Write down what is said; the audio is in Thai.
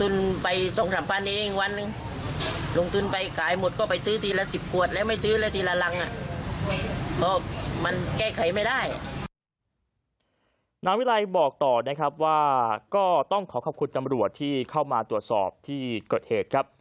นายวิรัยบอกต่อนะครับว่าก็ต้องขอขอบคุณตำรวจที่เข้ามาตรวจสอบที่เกิดเหตุครับ